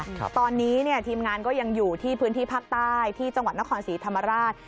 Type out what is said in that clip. ครับตอนนี้เนี่ยทีมงานก็ยังอยู่ที่พื้นที่ภาคใต้ที่จังหวัดนครศรีธรรมราช